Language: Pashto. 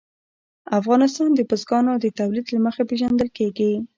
افغانستان د بزګانو د تولید له مخې پېژندل کېږي.